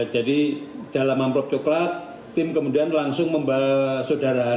jadi dalam amplop coklat tim kemudian langsung membawa saudara h